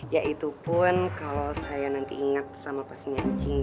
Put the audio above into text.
ya itu pun kalau saya nanti inget sama pasennya ancing ya